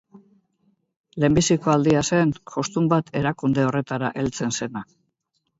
Lehenbiziko aldia zen jostun bat erakunde horretara heltzen zena.